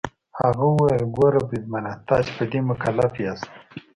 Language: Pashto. هغه وویل: ګوره بریدمنه، تاسي په دې مکلف یاست.